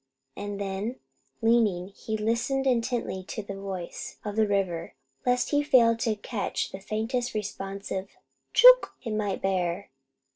and then, leaning, he listened intently to the voice of the river, lest he fail to catch the faintest responsive "Chook!" it might bear.